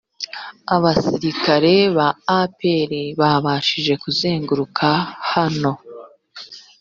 abasirikare ba apr babashije kuzenguruka hano